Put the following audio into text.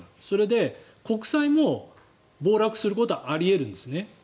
それで国債も暴落することはあり得るんです。